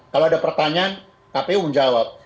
kalau ada pertanyaan kpu menjawab